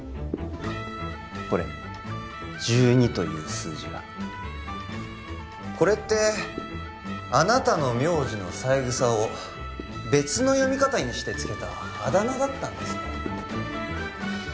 これ１２という数字がこれってあなたの名字の三枝を別の読み方にしてつけたアダナだったんですね